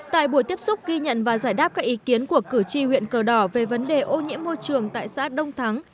tại buổi tiếp xúc ghi nhận và giải đáp các ý kiến của cử tri huyện cờ đỏ về vấn đề ô nhiễm môi trường tại xã đông thắng